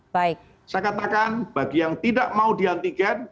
saya katakan bagi yang tidak mau di antigen